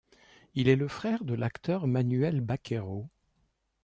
Il est le frère de l'acteur Manuel Baqueiro.